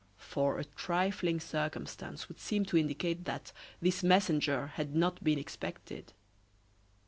For a trifling circumstance would seem to indicate that this messenger had not been expected.